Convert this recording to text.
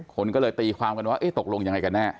คนก็เลยตีความกันว่าเอ๊ะตกลงยังไงกันแน่